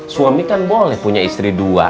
suami kan boleh punya istri dua